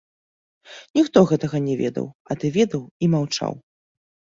Ніхто гэтага не ведаў, а ты ведаў і маўчаў.